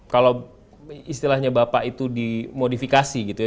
kalau istilahnya bapak itu di modifikasi gitu ya